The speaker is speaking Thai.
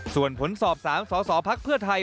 ส่วนผลสอบ๓สสพักเพื่อไทย